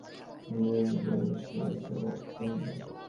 যদি পারতেন তো খানিকটা আকাশ যেন ছিঁড়ে ফেলে দিতেন।